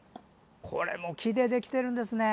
これも木でできているんですね。